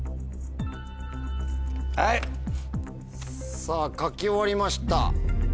さぁ書き終わりました。